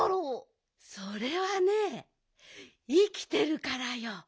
それはねいきてるからよ。